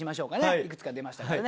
いくつか出ましたからね。